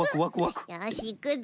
よしいくぞ。